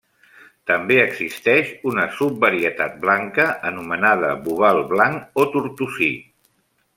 També existeix una subvarietat blanca anomenada boval blanc o tortosí.